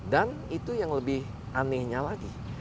dan itu yang lebih anehnya lagi